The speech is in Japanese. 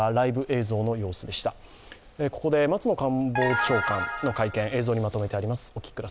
ここで松野官房長官の会見、映像にまとめてあります。